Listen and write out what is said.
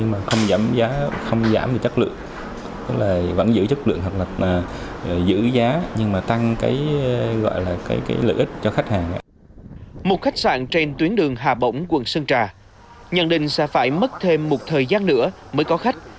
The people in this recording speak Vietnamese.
một khách sạn trên tuyến đường hà bổng quận sơn trà nhận định sẽ phải mất thêm một thời gian nữa mới có khách